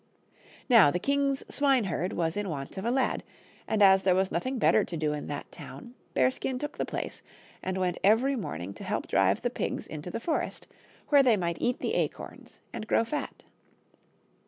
Now, the king's swineherd was in want of a lad, and as there was nothing better to do in that town, Bearskin took the place and went every morning to help drive the pigs into the forest, where they might eat the acorns and grow fat.